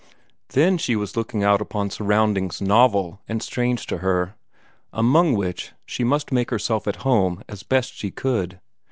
Then she was looking out upon surroundings novel and strange to her, among which she must make herself at home as best she could.